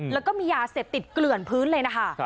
แล้วก็มียาเสพติดเกลื่อนพื้นเลยนะคะ